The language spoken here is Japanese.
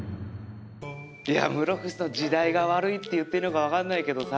いや室伏さん時代が悪いって言っていいのか分かんないけどさ